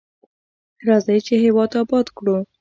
راځئ چې هیواد اباد کړو.